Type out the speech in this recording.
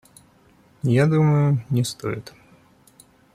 Я думаю, не стоит.